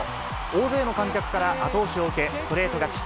大勢の観客から後押しを受け、ストレート勝ち。